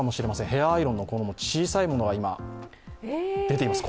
ヘアアイロンの小さいものが今出ています。